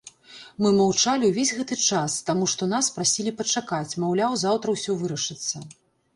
Мы маўчалі ўвесь гэты час, таму што нас прасілі пачакаць, маўляў, заўтра ўсё вырашыцца.